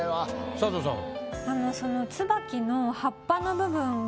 佐藤さんは？